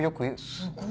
すごい。